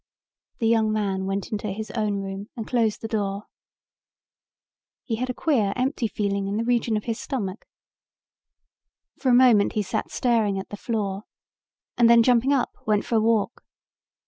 The young man went into his own room and closed the door. He had a queer empty feeling in the region of his stomach. For a moment he sat staring at the floor and then jumping up went for a walk.